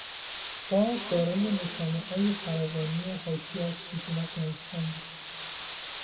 غار دارای نشانههای فراوانی حاکی از سکونت انسان بود.